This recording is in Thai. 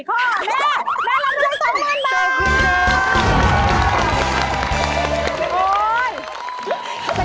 แม่รับรวย๒หมื่นบาท